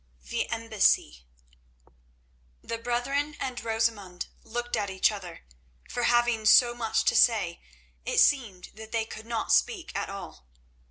The Embassy The brethren and Rosamund looked at each other, for having so much to say it seemed that they could not speak at all.